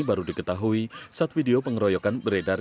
baru diketahui saat video pengeroyokan beredar